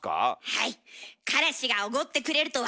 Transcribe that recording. はい。